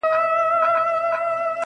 پر موږ همېش یاره صرف دا رحم جهان کړی دی.